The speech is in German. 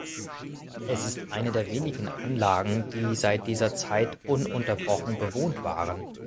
Es ist eine der wenigen Anlagen, die seit dieser Zeit ununterbrochen bewohnt waren.